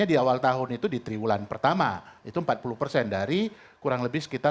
ketudo nanti tidak dapat menghajarkan jadwal saya